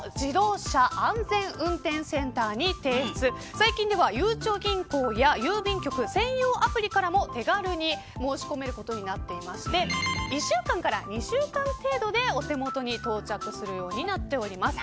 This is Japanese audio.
最近では、ゆうちょ銀行や郵便局専用アプリからも手軽に申し込めるようになっていまして１週間から２週間程度でお手元に到着するようになっています。